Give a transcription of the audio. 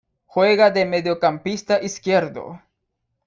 Juega de mediocampista izquierdo.